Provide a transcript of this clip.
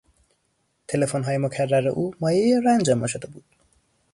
تلفنهای مکرر او مایهی رنج ما شده بود.